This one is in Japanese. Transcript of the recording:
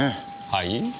はい？